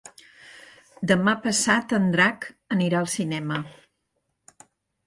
Demà passat en Drac anirà al cinema.